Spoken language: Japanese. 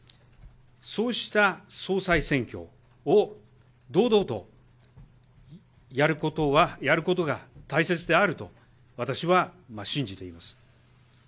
そうした総裁選挙を堂々とやることが大切であると、私は信じています。